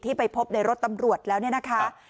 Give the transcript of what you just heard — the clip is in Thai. ไปพบในรถตำรวจแล้วเนี่ยนะคะ